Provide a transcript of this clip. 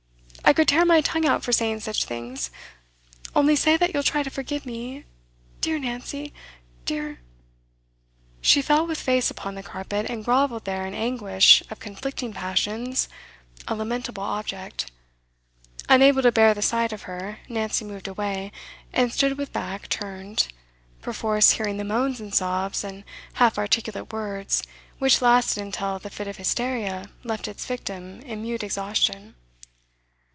I could tear my tongue out for saying such things. Only say that you'll try to forgive me dear Nancy dear ' She fell with face upon the carpet, and grovelled there in anguish of conflicting passions, a lamentable object. Unable to bear the sight of her, Nancy moved away, and stood with back turned, perforce hearing the moans and sobs and half articulate words which lasted until the fit of hysteria left its victim in mute exhaustion.